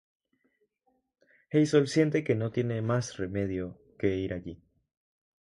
Hazel siente que no tiene más remedio que ir allí.